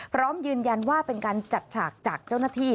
พร้อมยืนยันว่าเป็นการจัดฉากจากเจ้าหน้าที่